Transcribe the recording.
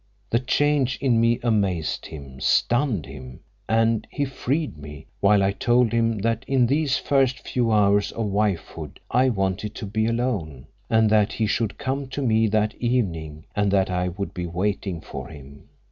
The change in me amazed him, stunned him, and he freed me—while I told him that in these first few hours of wifehood I wanted to be alone, and that he should come to me that evening, and that I would be waiting for him.